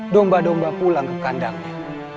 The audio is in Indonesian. domba domba pulang ke kandangnya